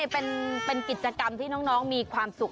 เป็นกิจกรรมที่น้องมีความสุข